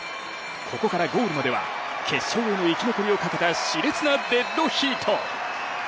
ここからゴールまでは決勝への生き残りをかけたしれつなデッドヒート。